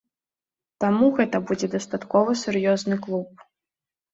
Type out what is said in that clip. Таму гэта будзе дастаткова сур'ёзны клуб.